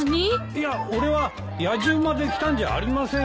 いや俺はやじ馬で来たんじゃありませんよ。